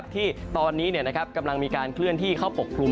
ที่ตอนนี้กำลังมีการเคลื่อนที่เข้าปกคลุม